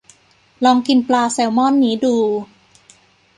ลองกินปลาแซลมอนนี้ดู